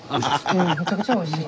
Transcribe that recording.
うんめちゃくちゃおいしい。